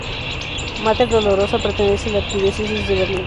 Mater Dolorosa pertenece a la Arquidiócesis de Berlín.